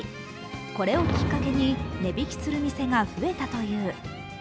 これをきっかけに値引きする店が増えたという。